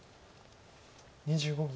２５秒。